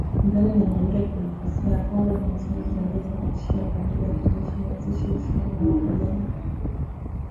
Uganda na Jamhuri ya Kidemokrasi ya Kongo, Jumatano ziliongeza operesheni ya pamoja ya kijeshi iliyoanzishwa mwishoni mwa mwaka jana